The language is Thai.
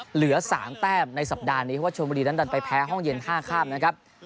เหลือ๓แต้มในสัปดาห์นี้เพราะว่าชมบุรีนั้นดันไปแพ้ห้องเย็นท่าข้ามนะครับ